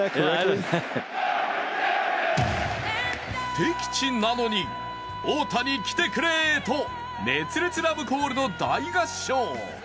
敵地なのに、「大谷、来てくれ！」と熱烈ラブコールの大合唱。